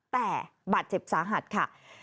แต่บาดเจ็บสาหัสค่ะ